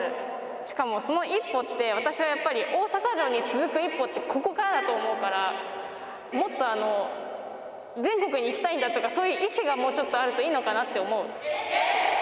しかも、その１歩って、私はやっぱり大阪城に続く１歩って、ここからだと思うから、もっと、全国に行きたいんだとか、そういう意志がもうちょっとあるといいのかなって思う。